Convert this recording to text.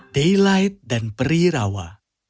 daylight dan peri rawa